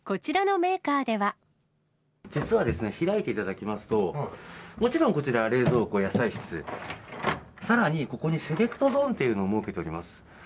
実は、開いていただきますと、もちろんこちら、冷蔵庫、野菜室、さらにここにセレクトゾーンというのを設けております。